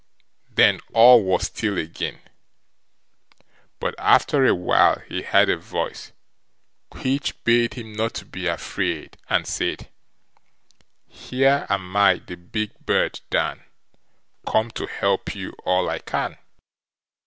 Then all was still again; but after a while he heard a voice, which bade him not to be afraid, and said: Here am I the Big Bird Dan Come to help you all I can.